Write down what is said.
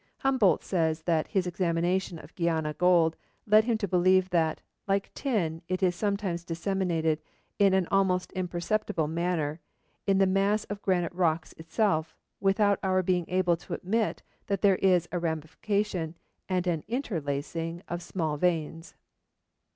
Humboldt says that his examination of Guiana gold led him to believe that, 'like tin, it is sometimes disseminated in an almost imperceptible manner in the mass of granite rocks itself, without our being able to admit that there is a ramification and an interlacing of small veins.'